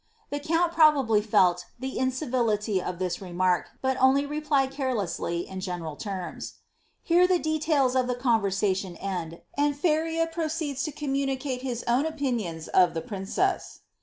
The count probably felt the incivility of this remark, but only replied carelessly, in general tenns.' Here the details of the conversation end, and Feria proceeds to oommunicate his own opinion of the princess.'